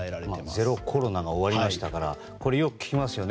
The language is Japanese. ゼロコロナが終わりましたからこれよく聞きますよね。